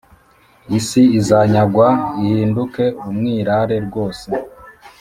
Isi izanyagwa ihinduke umwirare rwose